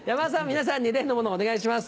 皆さんに例のものをお願いします。